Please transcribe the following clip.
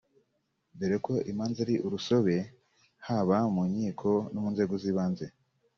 dore ko imanza ari urusobe haba mu nkiko no mu nzego z’ibanze